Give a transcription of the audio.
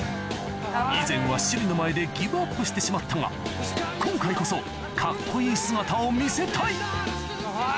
以前は趣里の前でギブアップしてしまったが今回こそカッコいい姿を見せたいあぁ！